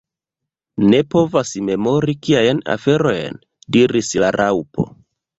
"Ne povas memori kiajn aferojn?" diris la Raŭpo.